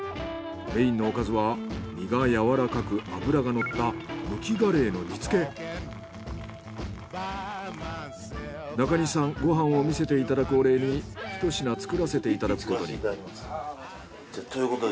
メインのおかずは身がやわらかく脂がのった中西さんご飯を見せていただくお礼に一品作らせていただくことに。ということで。